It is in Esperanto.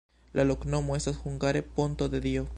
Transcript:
La loknomo estas hungare: ponto-de-Dio.